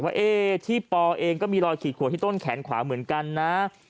ว่าที่ปอเองก็มีรอยขีดขวนที่ต้นแขนขวาเหมือนกันนะ